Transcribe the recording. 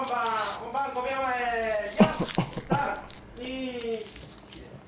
本番５秒前４３２。